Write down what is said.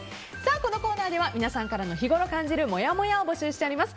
このコーナーでは、皆さんからの日ごろ感じるもやもやを募集しています。